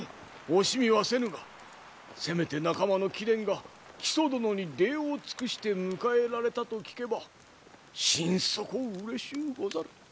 惜しみはせぬがせめて仲間の貴殿が木曽殿に礼を尽くして迎えられたと聞けば心底うれしゅうござる。